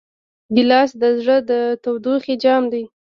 ګیلاس د زړه د تودوخې جام دی.